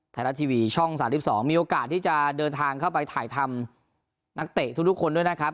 ไทยรัฐทีวีช่อง๓๒มีโอกาสที่จะเดินทางเข้าไปถ่ายทำนักเตะทุกคนด้วยนะครับ